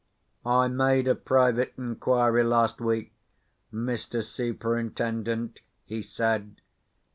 "I made a private inquiry last week, Mr. Superintendent," he said.